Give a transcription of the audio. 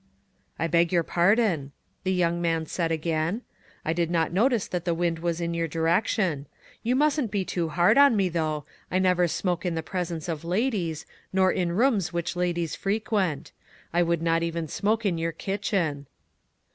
"I beg your pardon," the young man said again. "I did not notice that the wind was in your direction ; you mustn't be too hard on me, though. I never smoke in the pres ence of ladies, nor in rooms which ladies fre quent; I would not even smoke in your kitchen."